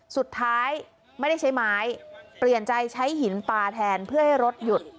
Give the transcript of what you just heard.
สุดท้ายไม่ได้ใช้ไม้เปลี่ยนใจใช้หินปลาแทนเพื่อให้รถหยุด